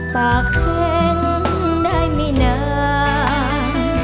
ปากแข็งได้ไม่นาน